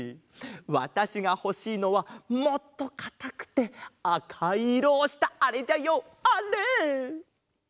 わたしがほしいのはもっとかたくてあかいいろをしたあれじゃよあれ！